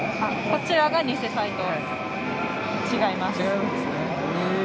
こちらが偽サイト？違いますね。